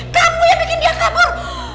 kamu yang bikin dia kabur